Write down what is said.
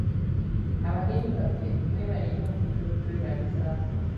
Abagenyi baffe, mwebale nnyo okujja okutwebalizaako.